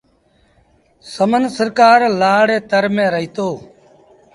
سمن سرڪآر لآڙ ري تر ميݩ رهيتو۔